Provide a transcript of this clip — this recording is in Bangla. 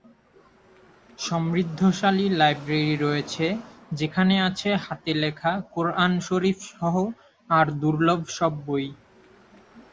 সমৃদ্ধশালী লাইব্রেরি রয়েছে, যেখানে আছে হাতে লেখা কোরআন শরীফ সহ আর দুর্লভ সব বই।